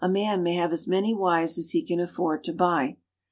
A man may have as many wives as he can afford to buy.